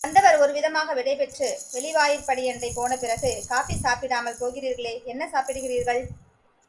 வந்தவர் ஒரு விதமாக விடைபெற்று வெளிவாயிற்படியண்டை போன பிறகு, காஃபி சாப்பிடாமல் போகிறீர்களே என்ன சாப்பிடுகிறீர்கள்?